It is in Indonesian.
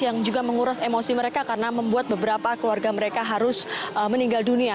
yang juga menguras emosi mereka karena membuat beberapa keluarga mereka harus meninggal dunia